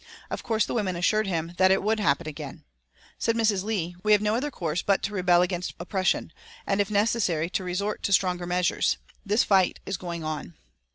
Of course the women assured him that it would happen again. Said Mrs. Leigh: "We have no other course but to rebel against oppression, and if necessary to resort to stronger measures. This fight is going on."